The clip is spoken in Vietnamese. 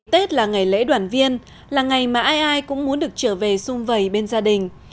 tết là ngày lễ đoàn viên là ngày mà ai ai cũng muốn được trở về xung vầy bên gia đình